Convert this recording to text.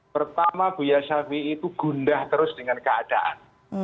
pertama buya shafi'i itu gundah terus dengan keadaan